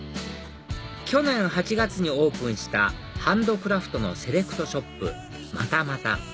去年８月にオープンしたハンドクラフトのセレクトショップ